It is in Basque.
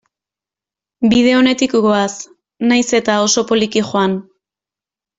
Bide onetik goaz, nahiz eta oso poliki joan.